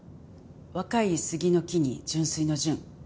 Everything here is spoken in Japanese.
若い杉の木に純粋の純。